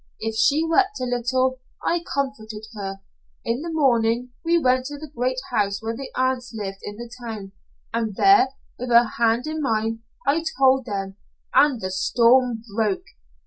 If she wept a little, I comforted her. In the morning we went to the great house where the aunts lived in the town, and there, with her hand in mine, I told them, and the storm broke.